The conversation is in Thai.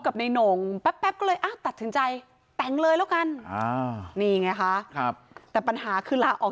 ลบเป็นโน่งแป๊บเลยตัดถึงใจแตกเลยโลกันนี่ไงค่ะครับแต่ปัญหาคือลาออก